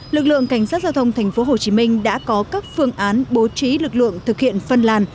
lực lượng cảnh sát giao thông thành phố hồ chí minh đã có các phương án bố trí lực lượng thực hiện phân làn